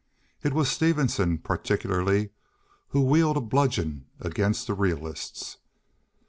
It was Stevenson, particularly, who wielded a bludgeon against the realists.